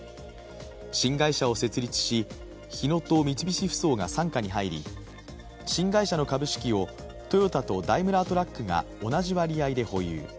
新会社を設立し、日野と三菱ふそうが傘下に入り新会社の株式をトヨタとダイムラートラックが同じ割合で保有。